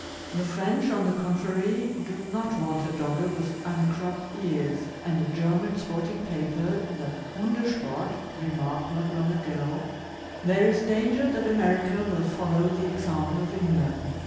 The French, on the contrary, do not want a Dogge with uncropped ears; and a German sporting paper, the Hunde Sport, remarked not long ago: There is danger that America will follow the example of England.